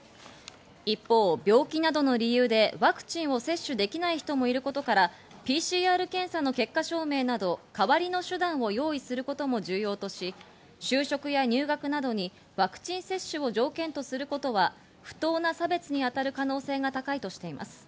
一方、病気などの理由でワクチンを接種できない人もいることから、ＰＣＲ検査の結果証明など代わりの手段を用意することも重要とし、就職や入学などにワクチン接種を条件とすることは不当な差別に当たる可能性が高いとしています。